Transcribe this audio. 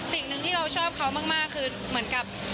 สิ่งหนึ่งที่เราชอบเขามากคือเหมือนกับ